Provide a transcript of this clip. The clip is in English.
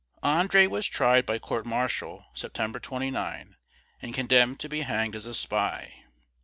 André was tried by court martial September 29, and condemned to be hanged as a spy.